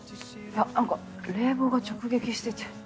いや何か冷房が直撃してて。